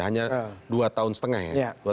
hanya dua tahun setengah ya